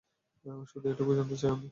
শুধু এটুকুই জানতে চাই আমি।